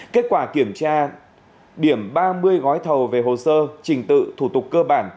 kết quả kiểm tra điểm ba mươi gói thầu về hồ sơ trình tự thủ tục cơ bản